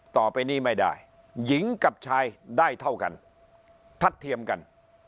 ต่อไปนี้ไม่ได้หญิงกับชายได้เท่ากันทัดเทียมกัน